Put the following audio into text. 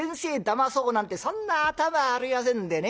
まそうなんてそんな頭はありませんでね。